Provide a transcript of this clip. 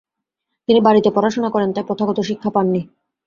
তিনি বাড়িতে পড়াশোনা করেন, তাই প্রথাগত শিক্ষা পাননি।